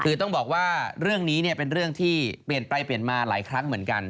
คือต้องบอกว่าเรื่องนี้เป็นเรื่องที่เปลี่ยนไปเปลี่ยนมาหลายครั้งเหมือนกัน